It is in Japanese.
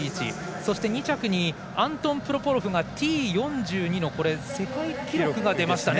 そして２着にアントン・プロホロフがＴ４２の世界記録が出ましたね。